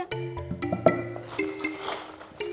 sain aja deh